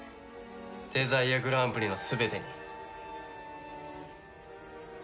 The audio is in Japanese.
デザイアグランプリの全てに。